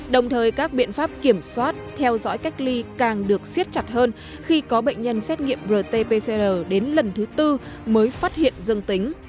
đồng thời các biện pháp kiểm soát theo dõi cách ly càng được siết chặt hơn khi có bệnh nhân xét nghiệm rt pcr đến lần thứ tư mới phát hiện dân tính